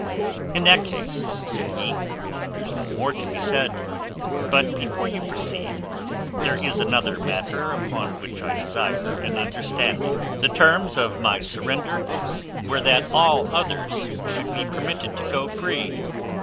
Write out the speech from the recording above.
"In that case," said he, "there's no more to be said. But before you proceed, there is another matter upon which I desire an understanding. "The terms of my surrender were that all others should be permitted to go free.